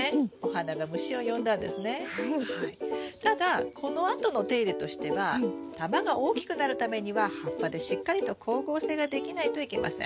ただこのあとの手入れとしては玉が大きくなるためには葉っぱでしっかりと光合成ができないといけません。